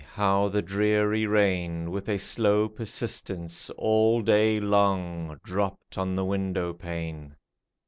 how the dreary rain With a slow persistence, all day long Dropped on the window pane